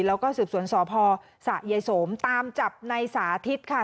แล้วก็สืบสวนสพสะยายสมตามจับในสาธิตค่ะ